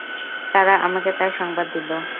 তারা আমাকে তার সংবাদ দিল।